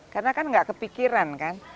karena kan gak kepikiran kan